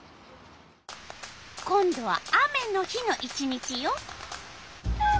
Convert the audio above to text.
今度は雨の日の１日よ。